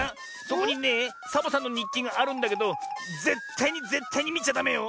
そこにねえサボさんのにっきがあるんだけどぜったいにぜったいにみちゃダメよ。